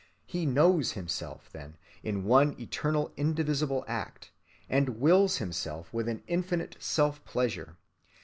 He knows himself, then, in one eternal indivisible act, and wills himself with an infinite self‐pleasure.